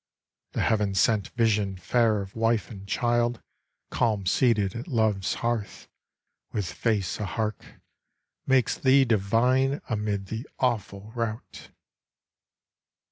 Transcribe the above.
The heaven sent vision fair of wife and child Calm seated at love's hearth, with face ahark, Makes thee divine amid the awful rout.